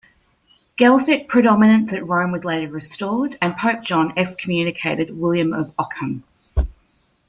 Guelphic predominance at Rome was later restored, and Pope John excommunicated William of Ockham.